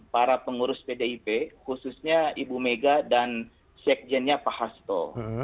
para pengurus pdip khususnya ibu mega dan sekjennya pak hasto